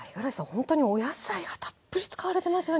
ほんとにお野菜がたっぷり使われてますよね。